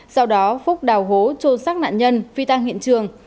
sau đó phúc đào hố trôn sắc nạn nhân phi tan hiện trường